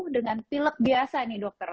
dengan pilek biasa nih dokter